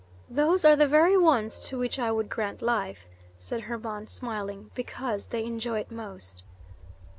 "Those are the very ones to which I would grant life," said Hermon, smiling, "because they enjoy it most."